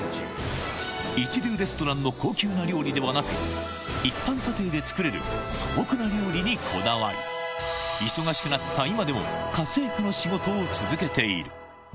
一流レストランの高級な料理ではなく、一般家庭で作れる素朴な料理にこだわり、忙しくなった今でも、家政婦の仕事を続けている。